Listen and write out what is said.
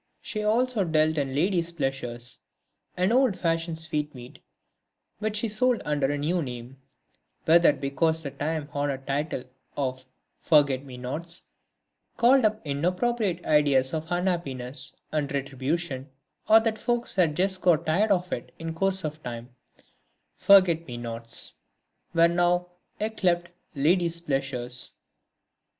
She also dealt in "ladies' pleasures," an old fashioned sweetmeat which she sold under a new name; whether because the time honoured title of "forget me nots" called up inappropriate ideas of unhappiness and retribution or that folks had just got tired of it in course of time, "forget me nots" were now yclept "ladies' pleasures."